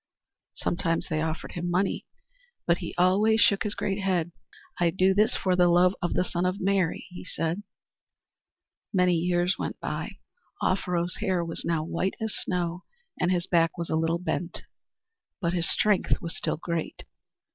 Sometimes they offered him money, but he always shook his great head. "I do this for the love of the Son of Mary," he said. Many years went by. Offero's hair was now white as snow and his back was a little bent. But his strength was still great.